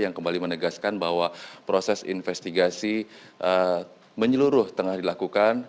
yang kembali menegaskan bahwa proses investigasi menyeluruh tengah dilakukan